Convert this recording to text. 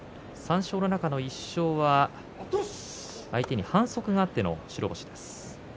３勝の中の１勝は相手に反則があっての白星です。